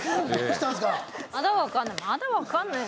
まだわかんない。